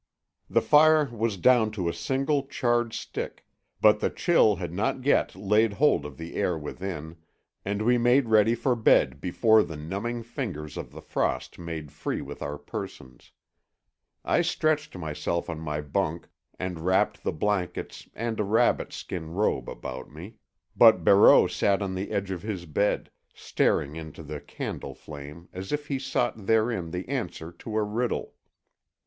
The fire was down to a single charred stick, but the chill had not yet laid hold of the air within, and we made ready for bed before the numbing fingers of the frost made free with our persons. I stretched myself on my bunk and wrapped the blankets and a rabbit skin robe about me, but Barreau sat on the edge of his bed, staring into the candle flame as if he sought therein the answer to a riddle.